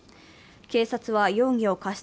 警察は容疑を過失